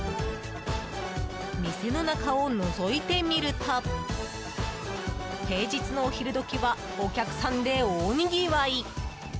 店の中をのぞいてみると平日のお昼時はお客さんで大にぎわい。